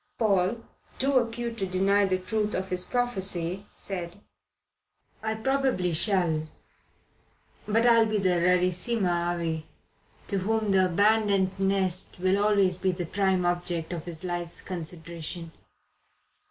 Paul, too acute to deny the truth of this prophecy said: "I probably shall. But I'll be the rarissima avis, to whom the abandoned nest will always be the prime object of his life's consideration."